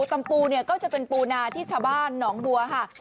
ตำปูเนี่ยก็จะเป็นปูนาที่ชาวบ้านหนองบัวค่ะ